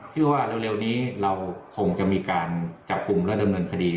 ว่าเร็วนี้เราคงจะมีการจับกลุ่มและดำเนินคดี